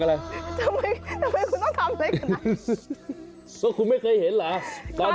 ทำไมทำไมคุณต้องทำอะไรกันนะ